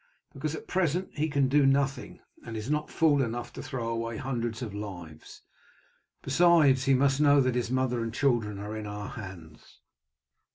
"Because at present he can do nothing, and is not fool enough to throw away hundreds of lives; besides, he must know that his mother and children are in our hands."